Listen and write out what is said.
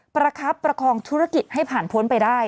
ประคับประคองธุรกิจให้ผ่านพ้นไปได้